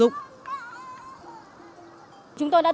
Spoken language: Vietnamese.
chúng tôi đã tìm ra một tòa nhà này